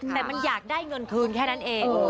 แต่มันอยากได้เงินคืนแค่นั้นเอง